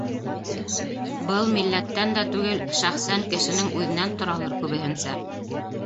Был милләттән дә түгел, шәхсән кешенең үҙенән торалыр күбеһенсә.